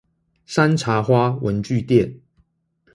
山茶花文具店